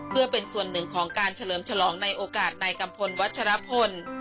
เพื่อเป็นส่วนหนึ่งของการเฉลิมฉลองในโอกาสนายกัมพลวัชรพล